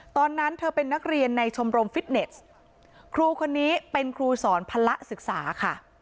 ตอนนั้นเธอเป็นนักเรียนในชมรมฟิตเนสครูคนนี้เป็นครูสอนพละศึกษาค่ะ